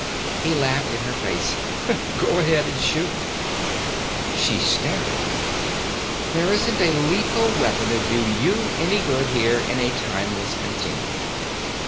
He laughed in her face. "Go ahead and shoot." She stared at him. "There isn't a lethal weapon'd do you any good here in a timeless continuum.